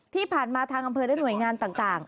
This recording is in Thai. ที่ผ่านมาทางอำเภอและหน่วยงานต่าง